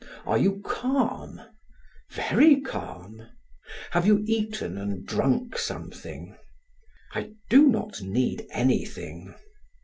"Are you calm?" "Very calm." "Have you eaten and drunk something?" "I do not need anything."